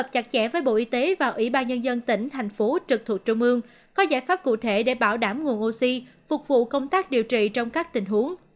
các bộ y tế và ủy ban nhân dân tỉnh thành phố trực thụ trung ương có giải pháp cụ thể để bảo đảm nguồn oxy phục vụ công tác điều trị trong các tình huống